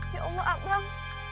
ya allah abang